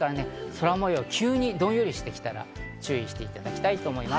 空模様、急にどんよりしてきたら注意してください。